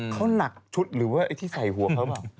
เขาหนักชุดหรือว่าที่ใส่หัวเขา